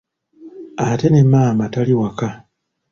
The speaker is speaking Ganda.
Ate ne maama tali waka.